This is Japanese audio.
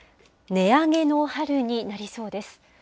値上げの春になりそうです。